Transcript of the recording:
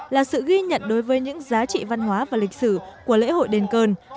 là sự ghi nhận đối với những giá trị văn hóa và lịch sử của lễ hội đền cơn